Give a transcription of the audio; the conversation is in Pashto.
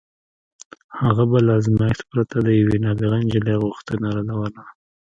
هغه به له ازمایښت پرته د یوې نابغه نجلۍ غوښتنه نه ردوله